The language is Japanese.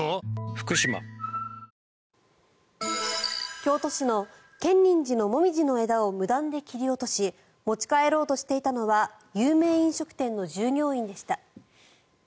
京都市の建仁寺の枝を無断で切り落とし持ち帰ろうとしていたのは有名飲食店の従業員でした。